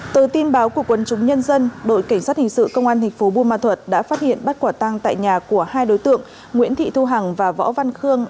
từ tin báo của quân chúng nhân dân đội cảnh sát hình sự công an thành phố buôn ma thuật đã phát hiện bắt quả tăng tại nhà của hai đối tượng nguyễn thị thu hằng và võ văn khương